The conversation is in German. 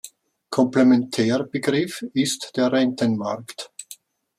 Komplementärbegriff ist der Rentenmarkt.